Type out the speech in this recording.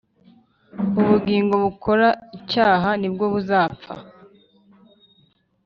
Ubugingo bukora icyaha ni bwo buzapfa,